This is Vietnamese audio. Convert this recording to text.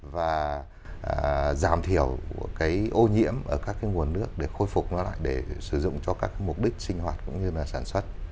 và giảm thiểu ô nhiễm ở các nguồn nước để khôi phục nó lại để sử dụng cho các mục đích sinh hoạt cũng như sản xuất